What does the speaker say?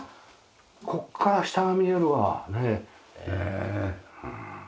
ここから下が見えるわねえ。